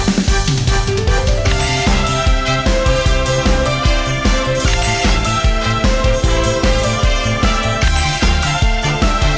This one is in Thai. อ๋อมทุกครับใจพูดสวัสดิ์แค่